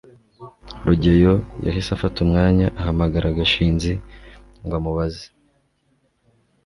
rugeyo yahise afata umwanya ahamagara gashinzi ngo amubaze